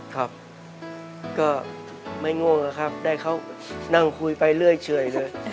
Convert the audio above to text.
ครับก็ไม่ง่วงนะครับได้เขานั่งคุยไปเรื่อยเฉยเลย